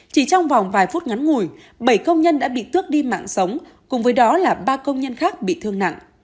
chỉ trong vòng vài phút ngắn ngủi bảy công nhân đã bị tước đi mạng sống cùng với đó là ba công nhân khác bị thương nặng